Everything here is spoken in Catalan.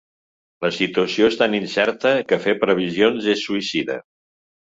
La situació és tan incerta que fer previsions és suïcida.